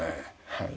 はい。